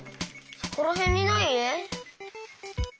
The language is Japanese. そこらへんにない？